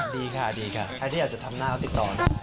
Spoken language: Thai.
ดีค่ะดีค่ะใครที่อยากจะทำหน้าเขาติดต่อ